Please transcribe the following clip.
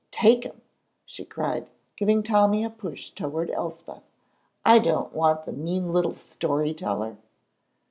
Take him," she cried, giving Tommy a push toward Elspeth, "I don't want the mean little story teller."